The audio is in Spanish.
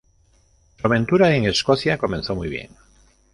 Su aventura en Escocia comenzó muy bien.